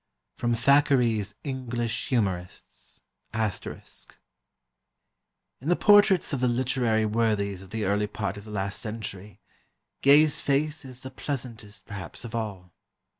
'" [Sidenote: Thackeray's English Humourists. *] "In the portraits of the literary worthies of the early part of the last century, Gay's face is the pleasantest perhaps of all.